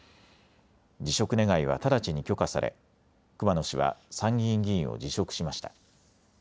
辞職願は直ちに許可され、熊野氏は参議院議員を辞職しました。